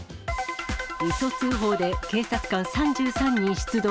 うそ通報で警察官３３人出動。